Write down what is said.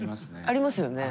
ありますよね。